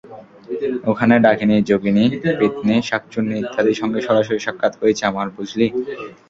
ওখানে ডাকিনি, যোগিনী, পেতনি, শাকচুন্নি ইত্যাদির সঙ্গে সরাসরি সাক্ষাৎ হয়েছে আমার, বুঝলি।